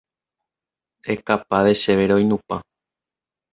Ekapade chéve roinupã